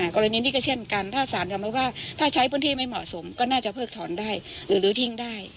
กรณีนี้ก็เช่นกันถ้าสารยอมรับว่าถ้าใช้พื้นที่ไม่เหมาะสมก็น่าจะเพิกถอนได้หรือทิ้งได้